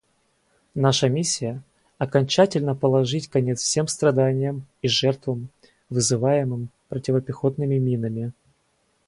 Наша миссия — окончательно положить конец всем страданиям и жертвам, вызываемым противопехотными минами.